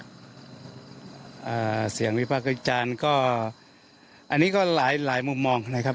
อ่าเสียงวิพากษ์วิจารณ์ก็อันนี้ก็หลายมุมมองนะครับ